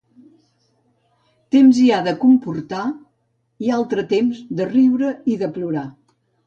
Temps hi ha de comportar i altre temps de riure i de plorar.